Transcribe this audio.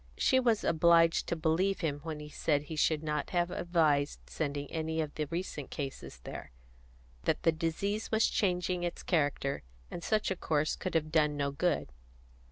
She was obliged to believe him when he said he should not have advised sending any of the recent cases there; that the disease was changing its character, and such a course could have done no good.